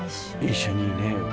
一緒にね。